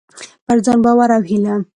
پر ځان باور او هيله: